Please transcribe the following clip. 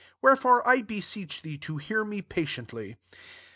Wherefore I beseech [fhee2 to hear me patiently.